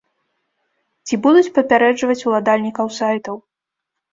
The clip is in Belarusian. Ці будуць папярэджваць уладальнікаў сайтаў?